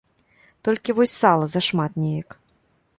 Толькі вось сала зашмат неяк.